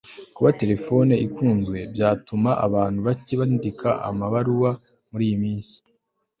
Kuba terefone ikunzwe byatumye abantu bake bandika amabaruwa muriyi minsi